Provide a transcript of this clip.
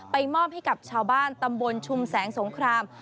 มอบให้กับชาวบ้านตำบลชุมแสงสงคราม